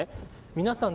皆さん